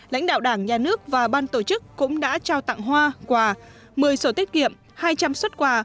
lãnh đạo đảng nhà nước và ban tổ chức cũng đã trao tặng hoa quà một mươi sổ tiết kiệm hai trăm linh xuất quà